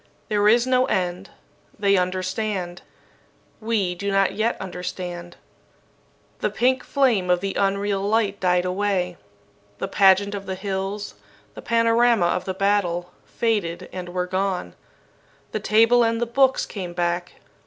There is no end. They understand. We do not yet understand." The pink flame of the unreal light died away. The pageant of the hills, the panorama of the battle, faded and were gone. The table and the books came back.